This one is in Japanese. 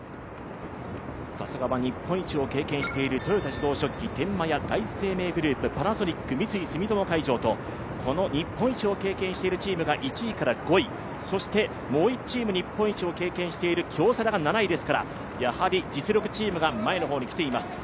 さすがは日本一を経験している豊田自動織機、天満屋、第一生命グループ、パナソニック、三井住友海上と日本一を経験しているチームが１位から５位、そしてもう１チームに日本一を経験している京セラが２位ですからやはり実力チームが前の方に来ています。